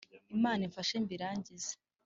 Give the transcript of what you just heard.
imana imfashe mbirangize